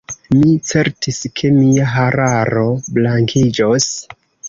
Mi certis ke mia hararo blankiĝos.